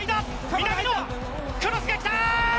南野クロスがきた！